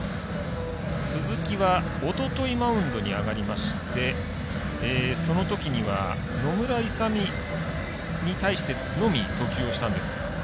鈴木はおとといマウンドに上がりましてそのときには野村勇に対してのみ投球をしたんですが。